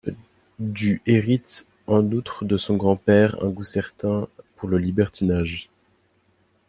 Du hérite en outre de son grand-père un goût certain pour le libertinage.